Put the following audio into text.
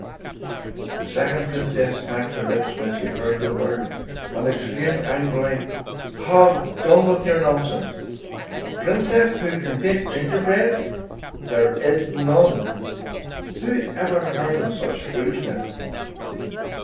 The second princess smacked her lips when she heard the word, and exclaimed angrily, "Have done with your nonsense! A princess who can bake gingerbread! Tales of Modern Germany 29 There is none! Who ever heard of such foolishness